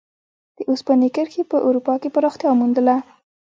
د اوسپنې کرښې په اروپا کې پراختیا وموندله.